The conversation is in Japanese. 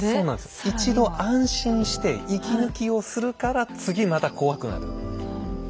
一度安心して息抜きをするから次また怖くなる。